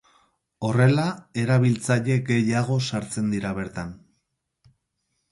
Horrela, erabiltzaile gehiago sartzen dira bertan.